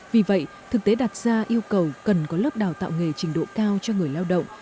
vì vậy thực tế đặt ra yêu cầu cần có lớp đào tạo nghề trình độ cao cho người lao động